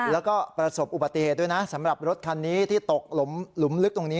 แล้วก็ประสบอุบัติเหตุด้วยนะสำหรับรถคันนี้ที่ตกหลุมลึกตรงนี้